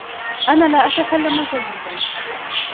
انا لا اتكلم جيدا